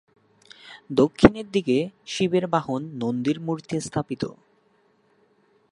দক্ষিণ দিকে শিবের বাহন নন্দীর মূর্তি স্থাপিত।